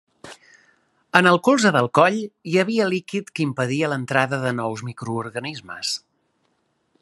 En el colze del coll hi havia líquid que impedia l'entrada de nous microorganismes.